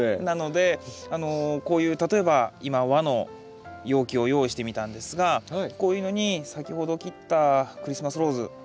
なのでこういう例えば今和の容器を用意してみたんですがこういうのに先ほど切ったクリスマスローズ